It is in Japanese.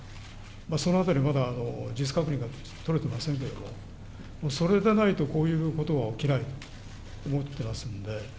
そのあたり、まだ事実確認が取れてませんけれども、それがないと、こういうことは起きないと思ってますんで。